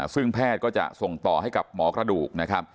ซึ่งแพทย์ก็จะส่งต่อให้กับหมอกระดูกนะครับ